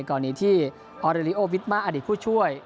ออเดรีโอวิดม่าอดีตผู้ช่วย